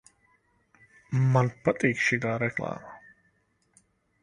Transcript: Man patīk šitā reklāma!